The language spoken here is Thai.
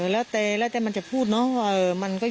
แล้วแต่แล้วแต่มันจะพูดเนาะ